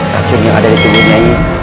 racun yang ada di tubuh nyai